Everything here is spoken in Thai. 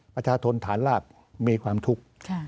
ประชาชนฐานราบมีความทุกข์